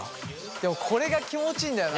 でもこれが気持ちいいんだよな。